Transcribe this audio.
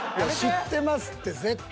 知ってますって絶対。